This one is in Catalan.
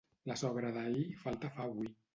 La sobra d'ahir, falta fa avui.